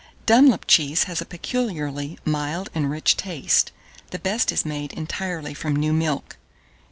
Dunlop cheese has a peculiarly mild and rich taste: the best is made entirely from new milk.